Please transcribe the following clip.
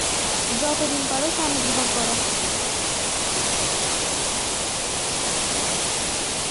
যতদিন পারো স্বামীর ঘর কর।